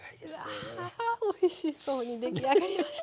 うわおいしそうに出来上がりました。